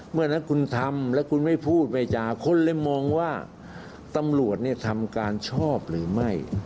เมื่อนั้นคุณทำแล้วคุณไม่พูดไม่จาคนเลยมองว่าตำรวจเนี่ยทำการชอบหรือไม่